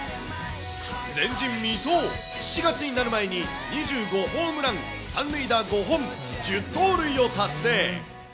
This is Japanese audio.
前人未到、７月になる前に２５ホームラン、３塁打５本、１０盗塁を達成。